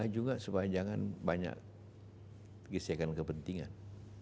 juga sepanjangnya banyak kisahkan kepentingan